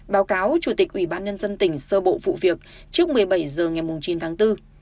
báo cáo chủ tịch ủy ban nhân dân tỉnh sơ bộ vụ việc trước một mươi bảy h ngày chín tháng bốn